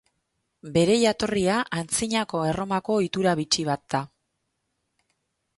Bere jatorria Antzinako Erromako ohitura bitxi bat da.